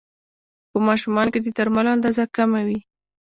په ماشومانو کې د درملو اندازه کمه وي.